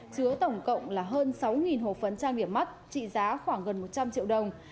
chứa tổng cộng là hơn sáu hộp phần trang điểm mắt trị giá khoảng gần một trăm linh triệu đồng